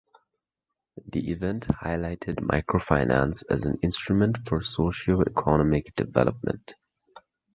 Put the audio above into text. The event highlighted microfinance as an instrument for socioeconomic development.